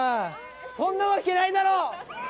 そんなわけないだろ！